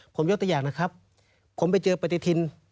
ผมยกตัวอย่างนะครับผมไปเจอปฏิทิน